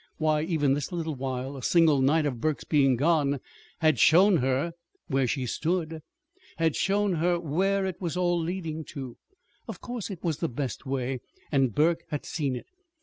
Why, even this little while a single night of Burke's being gone had shown her where she stood! had shown her where it was all leading to! Of course it was the best way, and Burke had seen it.